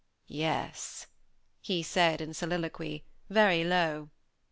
"Yes," he said in soliloquy, very low.